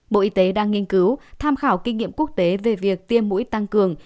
bộ y tế đang nghiên cứu tham khảo kinh nghiệm quốc tế về việc tiêm mũi tăng cường